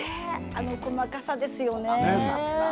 あの細かさですよね。